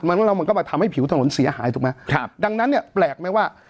แล้วมันก็มาทำให้ผิวถนนเสียหายถูกไหมครับดังนั้นเนี่ยแปลกไหมว่า